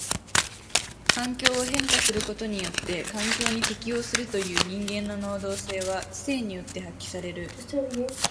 環境を変化することによって環境に適応するという人間の能動性は知性によって発揮される。